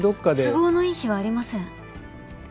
都合のいい日はありません。